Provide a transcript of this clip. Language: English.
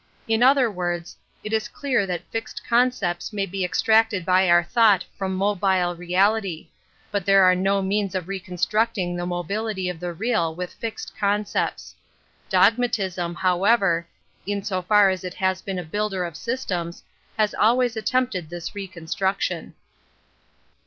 In other words, it is clear that fixed concepts may he extracted hy our thought from mobile reality; hut there are no means of reconstructing the mobility of the real unth fixed concepts. Dogmatism, however, in so far as it has been aTFuilder of systems, has always attempted this reconstruction.